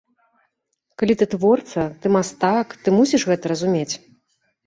Калі ты творца, ты мастак, ты мусіш гэта разумець.